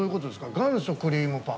元祖クリームパン。